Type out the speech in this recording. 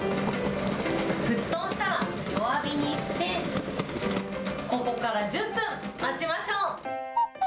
沸騰したら弱火にして、ここから１０分待ちましょう。